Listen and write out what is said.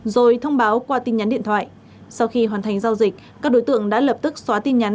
rồi thông báo qua tin nhắn điện thoại sau khi hoàn thành giao dịch các đối tượng đã lập tức xóa tin nhắn